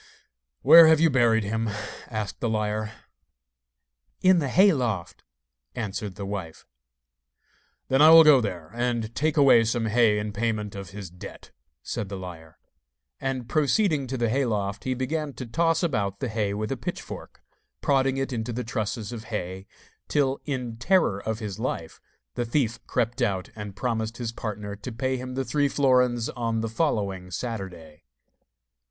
'Where have you buried him?' asked the liar. 'In the hay loft,' answered the wife. 'Then I will go there, and take away some hay in payment of his debt,' said the liar. And proceeding to the hay loft, he began to toss about the hay with a pitchfork, prodding it into the trusses of hay, till, in terror of his life, the thief crept out and promised his partner to pay him the three florins on the following Saturday.